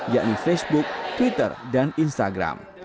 yakni facebook twitter dan instagram